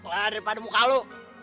lah daripada muka lu